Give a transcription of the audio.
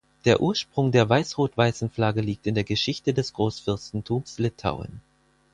Der Ursprung der weiß-rot-weißen Flagge liegt in der Geschichte des Großfürstentums Litauen.